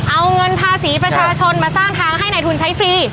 เอาเงินภาษีประชาชนมาสร้างทางให้ในทุนใช้ฟรี